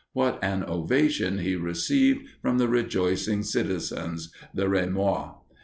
What an ovation he received from the rejoicing citizens the Remois!